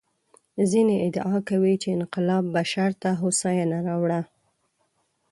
ځینې ادعا کوي چې انقلاب بشر ته هوساینه راوړه.